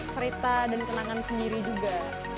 cerita dan kenangan sendiri juga